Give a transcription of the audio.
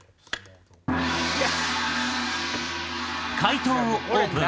解答をオープン。